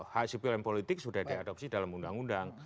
hak asasi pilihan politik sudah diadopsi dalam undang undang